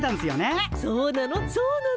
そうなの？